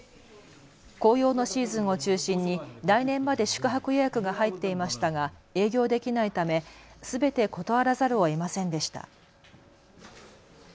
紅葉のシーズンを中心に来年まで宿泊予約が入っていましたが営業できないため、すべて断らざるをえませんでした。